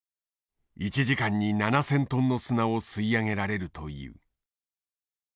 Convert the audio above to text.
１時間に７，０００トンの砂を吸い上げられるという。